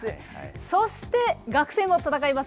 そして、学生も戦います。